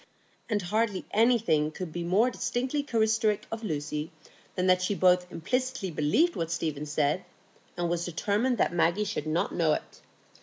And hardly anything could be more distinctively characteristic of Lucy than that she both implicitly believed what Stephen said, and was determined that Maggie should not know it.